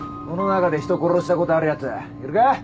この中で人殺したことあるやついるか？